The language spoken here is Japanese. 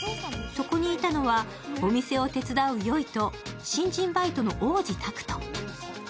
そこにいたのはお店を手伝う宵と新人バイトの大路拓人。